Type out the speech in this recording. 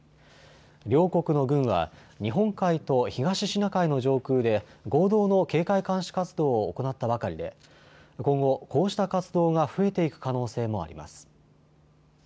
両国の軍は日本海と東シナ海の上空で合同の警戒監視活動を行ったばかりで今後、こうした活動が増えていく可能性もあります。